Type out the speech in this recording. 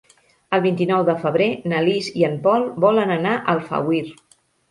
El vint-i-nou de febrer na Lis i en Pol volen anar a Alfauir.